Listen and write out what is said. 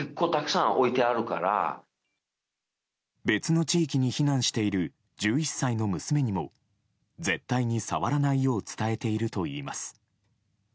別の地域に避難している１１歳の娘にも絶対に触らないよう伝えているといいます。